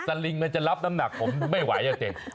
ซัลลิงมันจะรับน้ำหนักผมไม่ไหวนะเจ๊